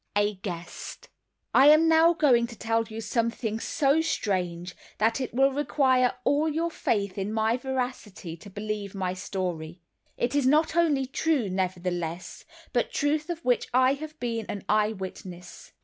A Guest I am now going to tell you something so strange that it will require all your faith in my veracity to believe my story. It is not only true, nevertheless, but truth of which I have been an eyewitness.